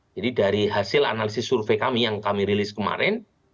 jadi dari hasil analisis survei kami yang kami rilis kemarin